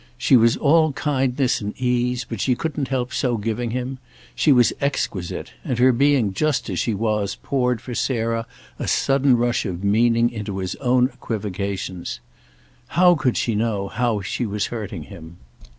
She was all kindness and ease, but she couldn't help so giving him; she was exquisite, and her being just as she was poured for Sarah a sudden rush of meaning into his own equivocations. How could she know how she was hurting him?